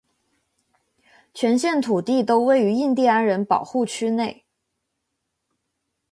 全县土地都位于印地安人保护区内。